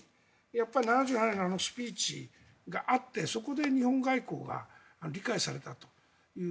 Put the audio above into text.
やっぱり７７年のあのスピーチがあってそこで日本外交が理解されたという。